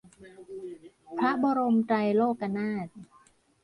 พระบรมไตรโลกนาถ